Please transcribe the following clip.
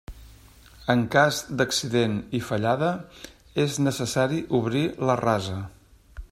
En cas d'accident i fallada, és necessari obrir la rasa.